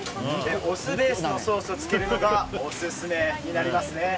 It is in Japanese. お酢ベースのソースをつけるのがオススメになりますね。